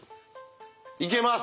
いけます。